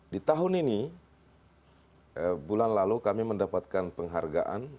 di tahun ini bulan lalu kami mendapatkan penghargaan